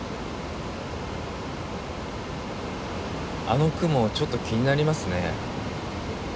あの雲ちょっと気になりますね。